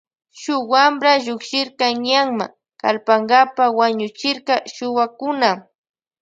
Shun wampra llukshirka ñanma kallpankapa wañuchirka shuwakuna.